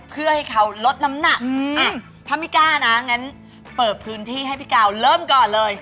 เพื่อให้เขาลดน้ำหนักถ้าไม่กล้านะงั้นเปิดพื้นที่ให้พี่กาวเริ่มก่อนเลย